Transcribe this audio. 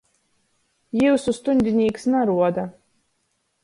Jiusu stuņdinīks naruoda.